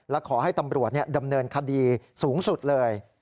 และขอให้ตำรวจดำเนินคดีสูงสุดเลย